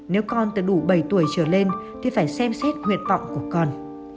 nếu con từ đủ bảy tuổi trở lên thì phải xem xét nguyện vọng của con